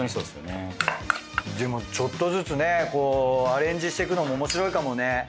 でもちょっとずつアレンジしてくのもおもしろいかもね。